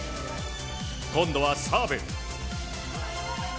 今度はサーブ。